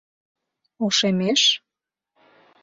Ошемеш?